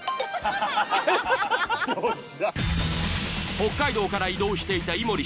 北海道から移動していたいもり